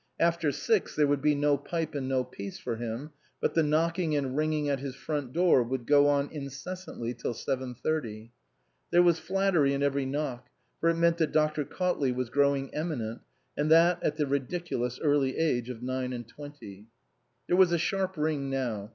After six there would be no pipe and no peace for him, but the knocking and ringing at his front door would go on incessantly till seven thirty. There was flattery in every knock, for it meant that Dr. Cautley was growing eminent, and that at the ridiculously early age of nine and twenty. There was a sharp ring now.